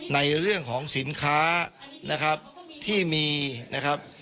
ในเรื่องของสินค้านะครับที่มีนะครับ